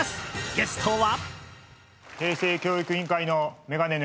ゲストは。